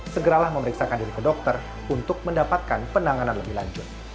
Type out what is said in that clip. segeralah memeriksakan diri ke dokter untuk mendapatkan penanganan lebih lanjut